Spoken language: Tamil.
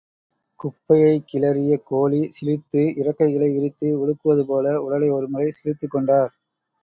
குப்பையைக் கிளறிய கோழி, சிலிர்த்து இறக்கைகளை விரித்து உலுக்குவதுபோல, உடலை ஒருமுறை சிலிர்த்துக் கொண்டார்.